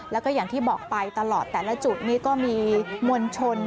แล้วก็อย่างที่บอกไปตลอดแต่ละจุดนี้ก็มีมวลชน